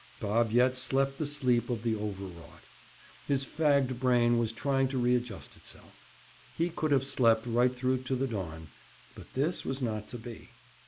Bob yet slept the sleep of the overwrought. His fagged brain was trying to readjust itself. He could have slept right through to the dawn, but this was not to be.